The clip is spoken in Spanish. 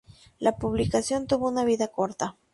La publicación tuvo una vida corta.